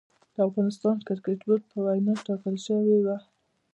د افغانستان کريکټ بورډ په وينا ټاکل شوې وه